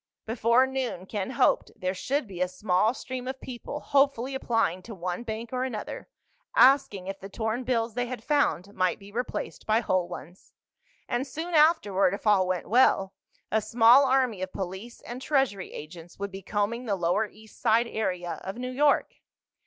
Before noon, Ken hoped, there should be a small stream of people hopefully applying to one bank or another, asking if the torn bills they had found might be replaced by whole ones. And soon afterward—if all went well—a small army of police and Treasury agents would be combing the lower east side area of New York.